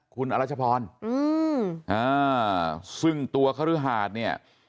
คุณอรัชพรอืมอ่าซึ่งตัวคฤหาสเนี่ย